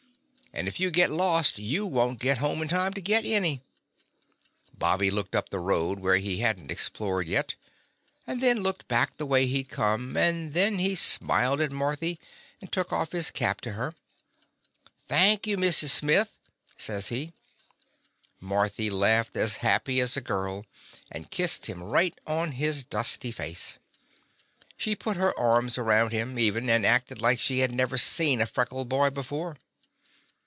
And if you git lost you won't git home in time to git any/' Bobby looked up the road where he had n't explored yet, and then looked back the way he 'd come, and then he smiled at Marthy and took off his cap to her. "Thank you. Missus Smith," he says. Marthy laughed as happy as a girl, and kissed him right on his dusty face. She put her arms around him, even, and acted like she had never seen a freckled boy before.